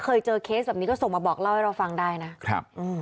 เคยเจอเคสแบบนี้ก็ส่งมาบอกเล่าให้เราฟังได้นะครับอืม